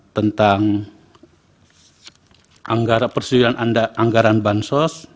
tentang persediaan anggaran bansos